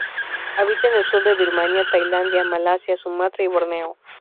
Habita en el sur de Birmania, Tailandia, Malasia, Sumatra y Borneo.